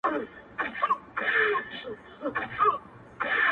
دا د ریا سجدې کوي دا د ریا حجونه